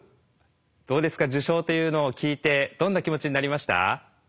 どうですか受賞というのを聞いてどんな気持ちになりました？